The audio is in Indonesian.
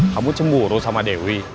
kamu cemburu sama dewi